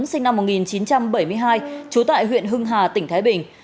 sinh năm một nghìn chín trăm bảy mươi hai trú tại huyện hưng hà tỉnh thái bình